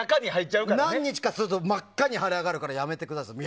何日かすると真っ赤に腫れ上がるからやめてくださいって。